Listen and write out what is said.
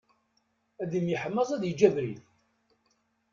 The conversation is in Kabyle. Ad imyeḥmaẓ ad yeǧǧ abrid.